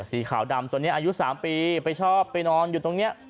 สีขาวดำตัวนี้อายุ๓ปีไปชอบไปนอนอยู่ตรงนี้